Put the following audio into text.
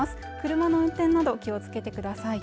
車の運転など気をつけてください